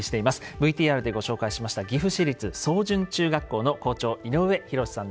ＶＴＲでご紹介しました岐阜市立草潤中学校の校長井上さん